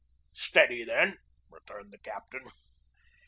"Steady, then!" returned the captain.